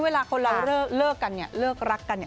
เวลาคนเราเลิกรักกันเนี่ย